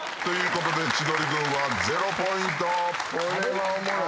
これはおもろい。